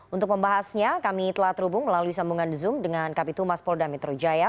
untuk membahasnya kami telah terhubung melalui sambungan zoom dengan kapitumas polda metro jaya